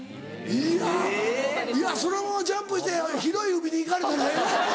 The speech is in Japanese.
いやいやそのままジャンプして広い海に行かれたらえらい。